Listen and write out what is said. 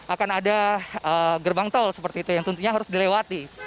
akan ada gerbang tol seperti itu yang tentunya harus dilewati